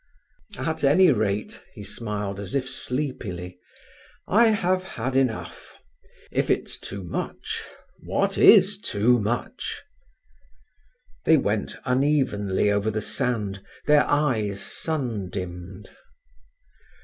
"At any rate," he smiled as if sleepily, "I have had enough. If it's too much—what is too much?" They went unevenly over the sand, their eyes sun dimmed.